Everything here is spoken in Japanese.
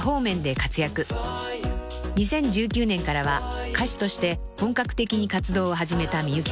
［２０１９年からは歌手として本格的に活動を始めた美由紀さん］